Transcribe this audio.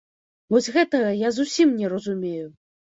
Вось гэтага я зусім не разумею!